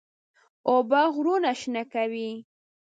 اوبه غرونه شنه کوي.